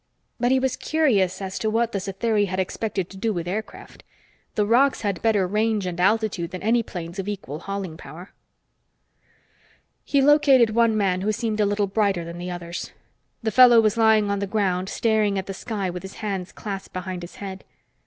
But he was curious as to what the Satheri had expected to do with aircraft. The rocs had better range and altitude than any planes of equal hauling power. He located one man who seemed a little brighter than the others. The fellow was lying on the ground, staring at the sky with his hands clasped behind his head.